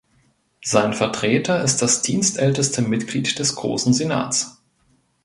Sein Vertreter ist das dienstälteste Mitglied des Großen Senats.